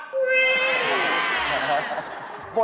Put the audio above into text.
ไม่ค่อย